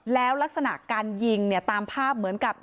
แล้วลักษณะการยิงเนี่ยตามภาพเหมือนกับ